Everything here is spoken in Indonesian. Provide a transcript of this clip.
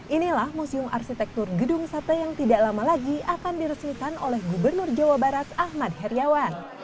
inilah museum arsitektur gedung sate yang tidak lama lagi akan diresmikan oleh gubernur jawa barat ahmad heriawan